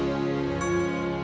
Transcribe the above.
tunggu push tuh